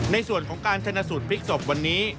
ในส่วนของการชนะสูตรพลิกศพวันนี้